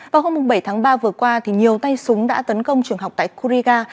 vào hôm bảy tháng ba vừa qua nhiều tay súng đã tấn công trường học tại kuriga